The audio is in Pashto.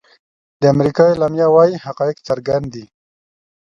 د امریکا اعلامیه وايي حقایق څرګند دي.